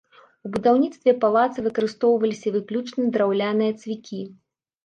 У будаўніцтве палаца выкарыстоўваліся выключна драўляныя цвікі!